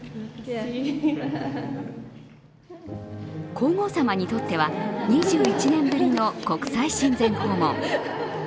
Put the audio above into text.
皇后さまにとっては２１年ぶりの国際親善訪問。